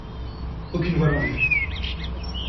Aucune voile en vue.